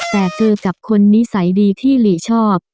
แต่เจอกับคนนิสัยดีที่หลีชอบ